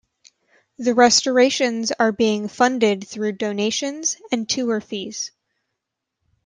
The restorations are being funded through donations and tour fees.